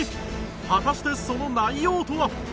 果たしてその内容とは？